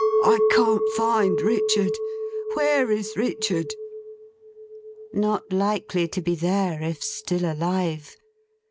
I can't find Richard! Where is Richard?' Not likely to be there, if still alive!